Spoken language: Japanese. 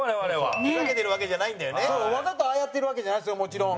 蛍原：わざと、ああやってるわけじゃないんですよ、もちろん。